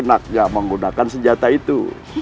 seenaknya menggunakan senjata itu